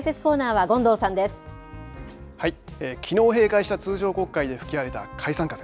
はい、きのう閉会した通常国会で吹き荒れた解散風。